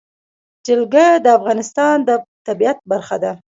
جلګه د افغانستان د طبیعت برخه ده.